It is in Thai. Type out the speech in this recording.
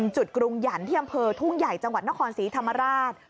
จุดกรุงหยันที่อำเภอทุ่งใหญ่จังหวัดนครศรีธรรมราช